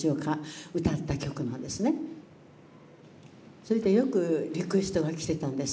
それでよくリクエストが来てたんです。